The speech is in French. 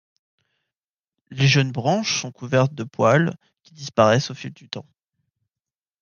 Les jeunes branches sont couvertes de poils, qui disparaissent au fil du temps.